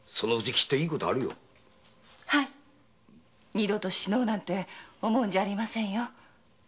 二度と死のうなんて思うんじゃありませんよ。